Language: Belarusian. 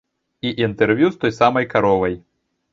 І інтэрв'ю з той самай каровай.